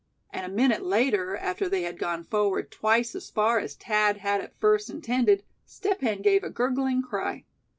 And a minute later, after they had gone forward twice as far as Thad had at first intended, Step Hen gave a gurgling cry.